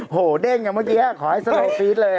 โหเด้งอย่างเมื่อกี้ขอให้สโนฟีดเลย